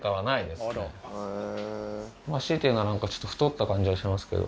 強いて言うならちょっと太った感じはしますけど。